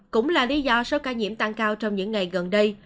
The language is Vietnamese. cũng là lý do số ca nhiễm tăng cao trong những ngày gần đây